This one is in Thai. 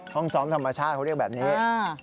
ห้องซ้อมธรรมชาติเขาเรียกแบบนี้